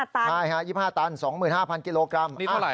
๒๕ตันใช่ค่ะ๒๕ตัน๒๕๐๐๐กิโลกรัม